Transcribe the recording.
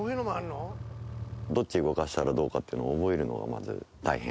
どっち動かしたらどうかっていうのを覚えるのがまず大変。